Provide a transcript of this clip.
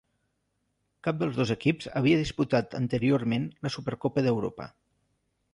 Cap dels dos equips havia disputat anteriorment la Supercopa d'Europa.